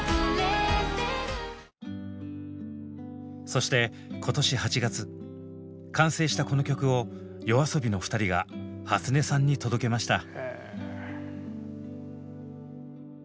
そして今年８月完成したこの曲をＹＯＡＳＯＢＩの２人がはつねさんに届けました。